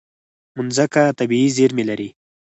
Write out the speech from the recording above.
مځکه طبیعي زیرمې لري.